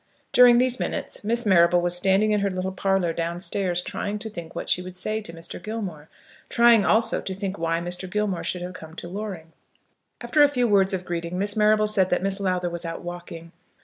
During these minutes Miss Marrable was standing in her little parlour downstairs, trying to think what she would say to Mr. Gilmore, trying also to think why Mr. Gilmore should have come to Loring. After a few words of greeting Miss Marrable said that Miss Lowther was out walking.